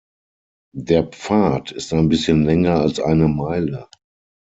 Der Pfad ist ein bisschen länger als eine Meile.